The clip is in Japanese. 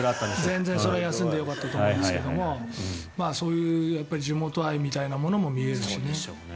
全然それは休んでよかったと思うんですけどそういう地元愛みたいなものも見えるしね。